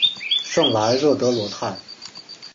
圣莱热德罗泰。